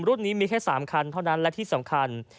รุ่นนี้มีแค่๓คันเท่านั้นและที่สำคัญ